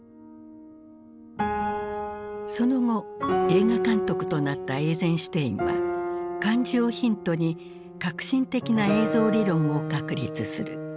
その後映画監督となったエイゼンシュテインは漢字をヒントに革新的な映像理論を確立する。